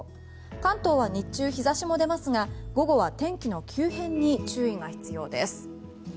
関東は日中、日差しも出ますが午後は天気の急変に注意が必要です。